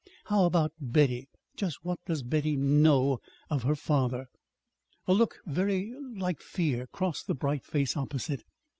"How about Betty? Just what does Betty know of her father?" A look very like fear crossed the bright face opposite.